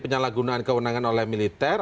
penyelenggaraan kewenangan oleh militer